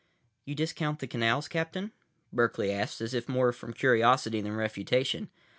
"You discount the canals, Captain?" Berkeley asked, as if more from curiosity than refutation.